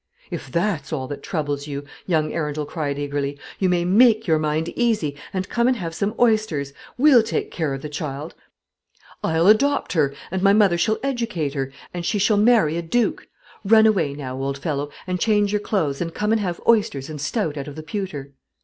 "If that's all that troubles you," young Arundel cried eagerly, "you may make your mind easy, and come and have some oysters. We'll take care of the child. I'll adopt her, and my mother shall educate her, and she shall marry a duke. Run away, now, old fellow, and change your clothes, and come and have oysters, and stout out of the pewter."